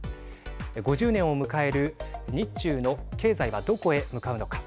５０年を迎える日中の経済はどこへ向かうのか。